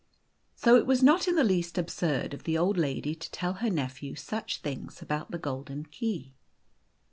So it was not in the least absurd of the old lady to tell her nephew such things about the golden key.